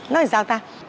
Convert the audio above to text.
nói sao ta